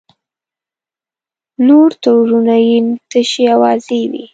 نور تورونه یې تشې اوازې وې.